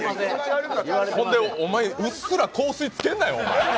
ほんでお前、うっすら香水つけんなよ！